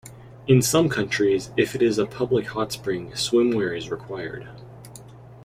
In some countries, if it is a public hot spring, swimwear is required.